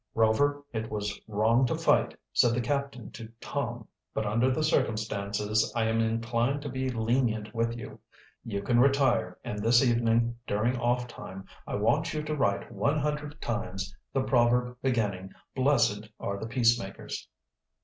"Rover, it was wrong to fight," said the captain to Tom. "But under the circumstances I am inclined to be lenient with you. You can retire, and this evening during off time I want you to write one hundred times, the proverb beginning, 'Blessed are the peace makers.'"